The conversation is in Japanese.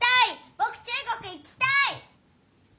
ぼく中国行きたい！